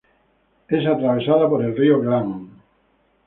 Es atravesada por el río "Glan".